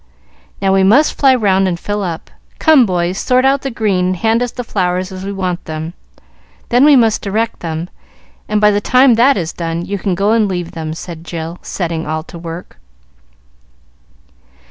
"Now we must fly round and fill up. Come, boys, sort out the green and hand us the flowers as we want them. Then we must direct them, and, by the time that is done, you can go and leave them," said Jill, setting all to work.